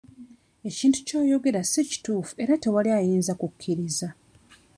Ekintu ky'oyogera si kituufu era tewali ayinza kukkiriza.